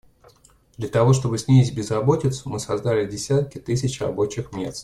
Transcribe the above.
Для того чтобы снизить безработицу, мы создали десятки тысяч рабочих мест.